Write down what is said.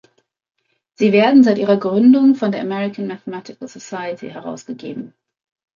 Sie werden seit ihrer Gründung von der American Mathematical Society herausgegeben.